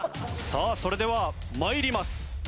さあそれでは参ります。